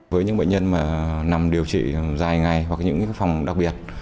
với những bệnh nhân mà nằm điều trị dài ngày hoặc những phòng đặc biệt